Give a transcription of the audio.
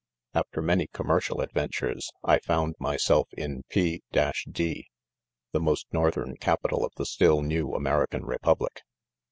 After many commercial adventures, I found myself in P :d, the most northern capital of the still new American republic.